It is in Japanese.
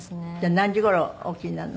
何時頃お起きになるの？